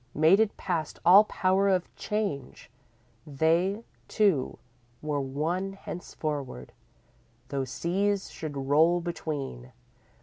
Mated past all power of change, they two were one henceforward, though seas should roll between.